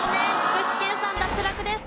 具志堅さん脱落です。